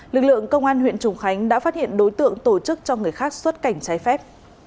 lực lượng công an huyện trùng khánh đã phát hiện đối tượng tổ chức cho người khác xuất cảnh trái phép